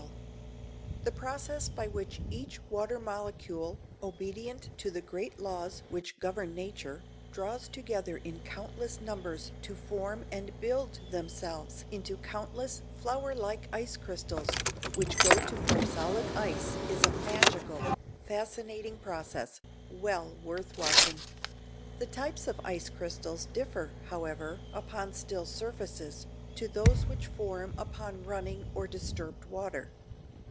Low altitude type] The process by which each water molecule, obedient to the great laws which govern nature, draws together in countless numbers to form and build themselves into countless flower like ice crystals, which go to form solid ice is a magical, fascinating process, well worth watching. The types of ice crystals differ, however, upon still surfaces, to those which form upon running or disturbed water.